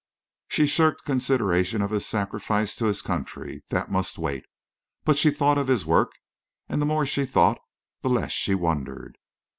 She shirked consideration of his sacrifice to his country. That must wait. But she thought of his work, and the more she thought the less she wondered.